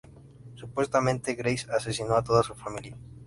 Supuestamente, Grace asesinó a toda su familia.